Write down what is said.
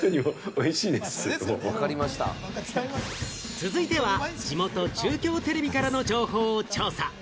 続いては地元、中京テレビからの情報を調査。